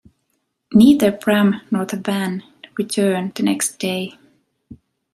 Neither Bram nor the van return the next day.